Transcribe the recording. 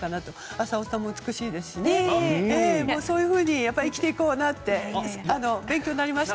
浅尾さんも美しいですしそういうふうに生きていこうって勉強になりました。